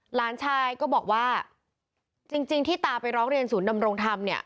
หลานชายก็บอกว่าจริงที่ตาไปร้องเรียนศูนย์ดำรงธรรมเนี่ย